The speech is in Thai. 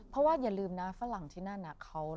เพราะว่าอย่าลืมนะฝรั่งที่นั่นน่ะ